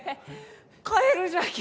カエルじゃき。